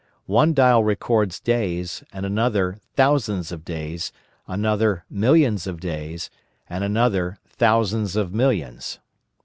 One dial records days, and another thousands of days, another millions of days, and another thousands of millions.